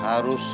kita biru terus